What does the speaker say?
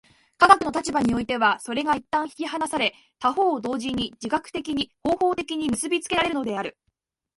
科学の立場においてはそれが一旦引き離され、他方同時に自覚的に、方法的に結び付けられるのである。